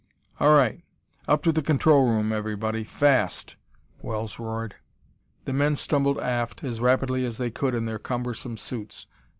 "All right up to the control room, everybody! Fast!" Wells roared. The men stumbled aft as rapidly as they could in their cumbersome suits.